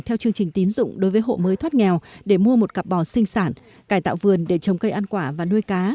theo chương trình tín dụng đối với hộ mới thoát nghèo để mua một cặp bò sinh sản cải tạo vườn để trồng cây ăn quả và nuôi cá